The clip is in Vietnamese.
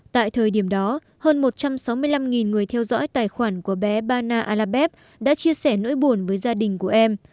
tại thời điểm đó hơn một trăm sáu mươi năm người theo dõi tài khoản của bé bana alabeb đã chia sẻ nỗi buồn với gia đình của em